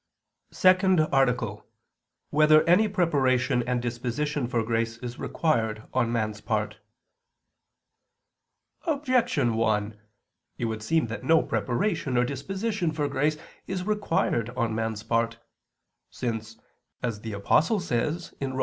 ________________________ SECOND ARTICLE [I II, Q. 112, Art. 2] Whether Any Preparation and Disposition for Grace Is Required on Man's Part? Objection 1: It would seem that no preparation or disposition for grace is required on man's part, since, as the Apostle says (Rom.